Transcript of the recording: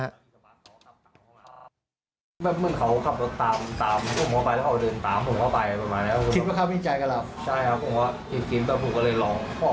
แบบเหมือนเขาก็ขับรถตามผมก็ไปแล้วเขาเดินตามผมก็ไป